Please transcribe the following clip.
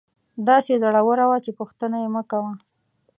داسې زړوره وه چې پوښتنه یې مکوه.